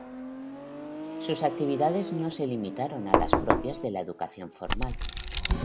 Sus actividades no se limitaron a las propias de la educación formal.